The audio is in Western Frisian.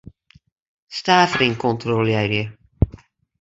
Stavering kontrolearje.